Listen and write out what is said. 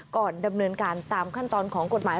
ก่อนดำเนินการตามขั้นตอนของกฎหมาย